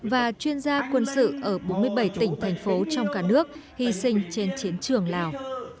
và chuyên gia quân sự ở bốn mươi bảy tỉnh thành phố trong cả nước hy sinh trên chiến trường lào